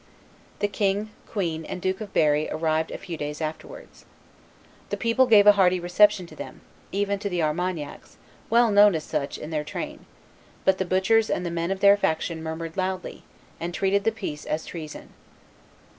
The king, queen, and Duke of Berry arrived a few days afterwards. The people gave a hearty reception to them, even to the Armagnacs, well known as such, in their train; but the butchers and the men of their faction murmured loudly, and treated the peace as treason.